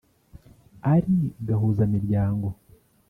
ari gahuza-miryango